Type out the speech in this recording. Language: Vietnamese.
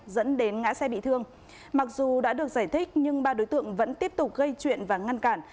dẫn đến ngã xe bị thương mặc dù đã được giải thích nhưng ba đối tượng vẫn tiếp tục gây chuyện và ngăn cản